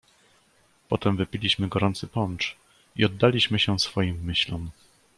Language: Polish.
"Potem wypiliśmy gorący poncz i oddaliśmy się swoim myślom."